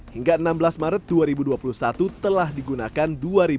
hingga enam belas maret dua ribu dua puluh satu telah digunakan dua lima ratus